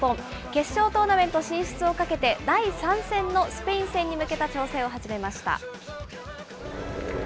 決勝トーナメント進出をかけて第３戦のスペイン戦に向けた調整を始めました。